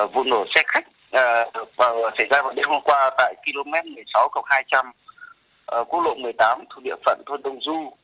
vụ nổ xe khách xảy ra vào đêm hôm qua tại km một mươi sáu hai trăm linh quốc lộ một mươi tám thuộc địa phận thôn đông du